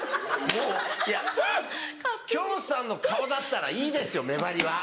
いや京本さんの顔だったらいいですよ目張りは。